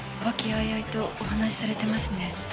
和気あいあいとお話しされてますね